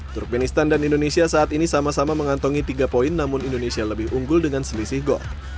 turkmenistan dan indonesia saat ini sama sama mengantongi tiga poin namun indonesia lebih unggul dengan selisih gol